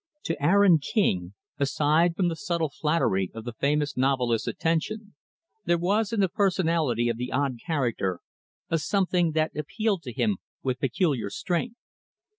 To Aaron King aside from the subtle flattery of the famous novelist's attention there was in the personality of the odd character a something that appealed to him with peculiar strength.